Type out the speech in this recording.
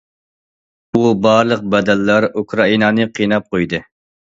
بۇ بارلىق بەدەللەر ئۇكرائىنانى قىيناپ قويدى.